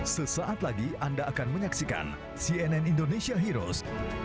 sesaat lagi anda akan menyaksikan cnn indonesia heroes